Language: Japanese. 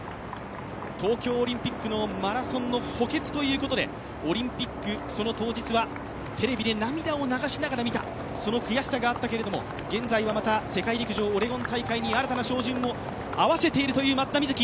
東京オリンピックのマラソンの補欠ということで、オリンピック当日はテレビで涙を流しながら見たその悔しさがあったけれど、現在は世界陸上オレゴン大会に新たな照準を合わせているという松田瑞生。